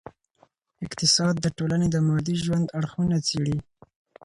اقتصاد د ټولني د مادي ژوند اړخونه څېړي.